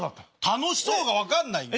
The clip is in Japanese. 楽しそうが分かんないよ。